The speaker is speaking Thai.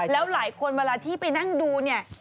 แล้วหลายคนเวลาที่ไปนั่งดูเนี่ย